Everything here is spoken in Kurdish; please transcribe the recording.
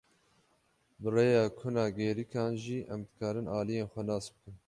Bi rêya kuna gêrîkan jî em dikarin aliyên xwe nas bikin.